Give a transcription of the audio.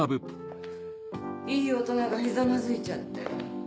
いい大人がひざまずいちゃって。